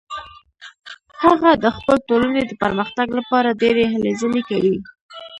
هغه د خپلې ټولنې د پرمختګ لپاره ډیرې هلې ځلې کوي